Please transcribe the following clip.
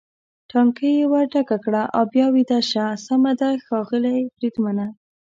ټانکۍ یې ور ډکه کړه او بیا ویده شه، سمه ده ښاغلی بریدمنه.